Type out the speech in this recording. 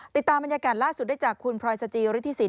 ติดตามบรรยากาศล่าสุดได้จากคุณพลอยสจิฤทธิสิน